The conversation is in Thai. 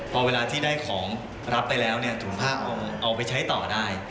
พอเวลาที่ได้ของรับไปแล้วเนี่ยถุงผ้าเอาไปใช้ต่อได้